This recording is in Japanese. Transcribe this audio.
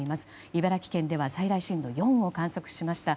茨城県では最大震度４を観測しました。